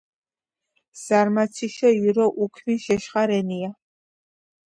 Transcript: ზარმაციშო ირო უქმი ჟეშხა რენია.